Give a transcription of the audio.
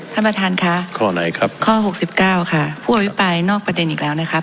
ท่านประธานค่ะข้อไหนครับข้อหกสิบเก้าค่ะผู้อภิปรายนอกประเด็นอีกแล้วนะครับ